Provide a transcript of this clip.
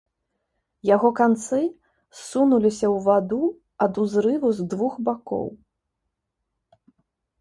Яго канцы ссунуліся ў ваду ад узрыву з абодвух бакоў.